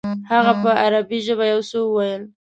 هغه په عربي ژبه یو څه وویل.